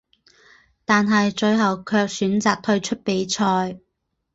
但是最后却选择退出比赛。